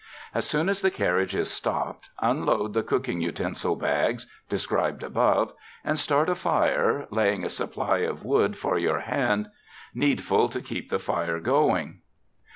As soon as the carriage is stopped, unload the cooking utensil bags (described above) and start a fire, lay ing a supply of wood for your hand, needful to keep the fire going.